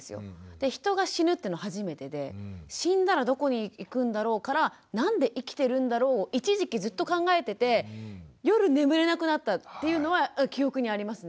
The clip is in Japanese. で人が死ぬっていうの初めてで死んだらどこに行くんだろうからなんで生きてるんだろう一時期ずっと考えてて夜眠れなくなったっていうのは記憶にありますね。